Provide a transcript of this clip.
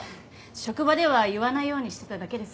職場では言わないようにしてただけです。